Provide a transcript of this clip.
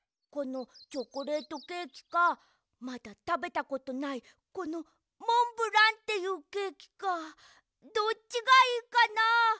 このチョコレートケーキかまだたべたことないこのモンブランっていうケーキかどっちがいいかな？